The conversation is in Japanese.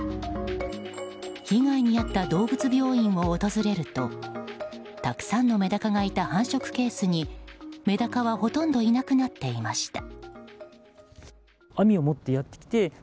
被害に遭った動物病院を訪れるとたくさんのメダカがいた繁殖ケースにメダカはほとんどいなくなっていました。